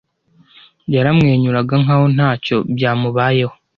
Yaramwenyuraga nkaho ntacyo byamubayeho.